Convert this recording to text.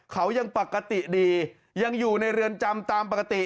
เขายังปกติดียังอยู่ในเรือนจำตามปกติ